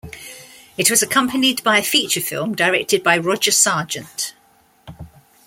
It was accompanied by a feature film, directed by Roger Sargent.